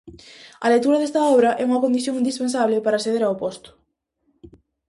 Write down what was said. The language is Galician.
A lectura desta obra é unha condición indispensable para acceder ao posto.